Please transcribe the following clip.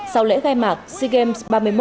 sau lễ khai mạc sea games ba mươi một